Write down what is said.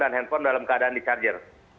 dan handphone dalam keadaan di charger